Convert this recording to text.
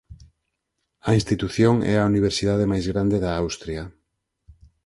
A institución é a universidade máis grande da Austria.